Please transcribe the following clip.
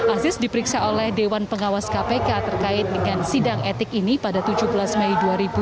aziz diperiksa oleh dewan pengawas kpk terkait dengan sidang etik ini pada tujuh belas mei dua ribu dua puluh